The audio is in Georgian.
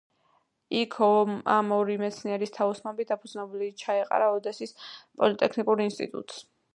იქ ამ ორი მეცნიერის თაოსნობით საფუძველი ჩაეყარა ოდესის პოლიტექნიკურ ინსტიტუტს.